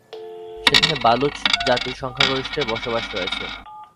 সেখানে বালুচ জাতির সংখ্যাগরিষ্ঠের বাস রয়েছে।